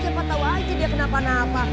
siapa tahu aja dia kenapa napa